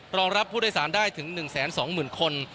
รองรับผู้โดยสารได้ถึง๑๒๐๐๐คน